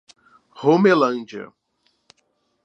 Romelândia